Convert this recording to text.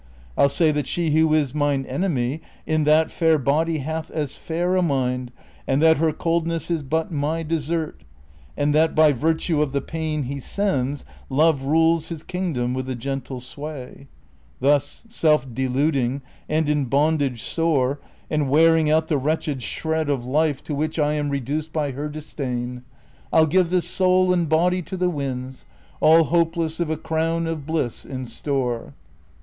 I'll say that she who is mine enemy In that fair body hath as fair a mind. And that her coldness is but my desert, And that by virtue of the pain he sends Love rules his kingdom with a gentle sway. Thus, self deluding, and in bondage sore. And wearing out the wretched shred of life CHAPTER XIV. 89 To wliich I am reduced by her disdain, I '11 give this soul and botly to the winds, All hopeless of a crown of bliss in store.